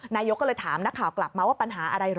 นายกก็เลยถามนักข่าวกลับมาว่าปัญหาอะไรเหรอ